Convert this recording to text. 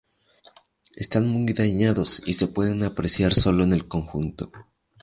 Están muy dañados y se pueden apreciar solo en el conjunto.